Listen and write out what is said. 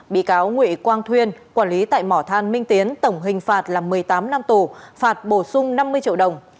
bị cáo nguyễn quang thuyên quản lý tại mỏ than minh tiến tổng hình phạt là một mươi tám năm tù phạt bổ sung năm mươi triệu đồng